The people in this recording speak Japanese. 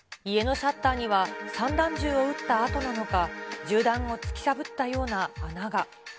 家のシャッターには散弾銃を撃ったあとなのか、銃弾を突き破ったような穴が。